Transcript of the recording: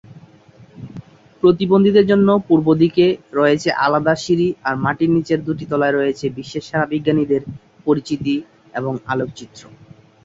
প্রতিবন্ধীদের জন্য পূর্বদিকে রয়েছে আলাদা সিঁড়ি আর মাটির নিচের দুটি তলায় রয়েছে বিশ্বের সেরা বিজ্ঞানীদের পরিচিতি এবং আলোকচিত্র।